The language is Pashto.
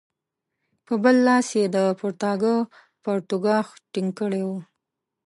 په بل لاس یې د پرتاګه پرتوګاښ ټینګ کړی وو.